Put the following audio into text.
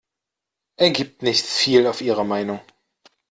Er gibt nicht viel auf ihre Meinung.